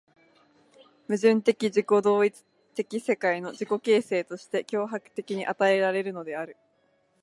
矛盾的自己同一的世界の自己形成として強迫的に与えられるのである。